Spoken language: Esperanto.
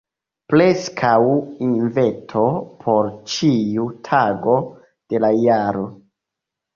Preskaŭ invito por ĉiu tago de la jaro.